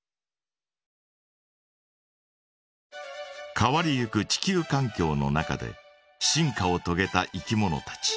変わりゆく地球かん境の中で進化をとげたいきものたち。